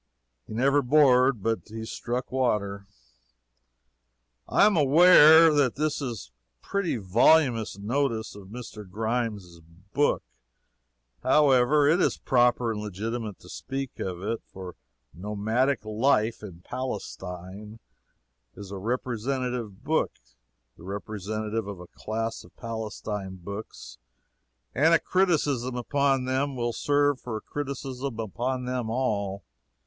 He never bored but he struck water. I am aware that this is a pretty voluminous notice of Mr. Grimes' book. However, it is proper and legitimate to speak of it, for "Nomadic Life in Palestine" is a representative book the representative of a class of Palestine books and a criticism upon it will serve for a criticism upon them all.